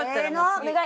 お願い！